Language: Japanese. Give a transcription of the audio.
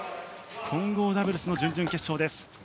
混合ダブルスの準々決勝です。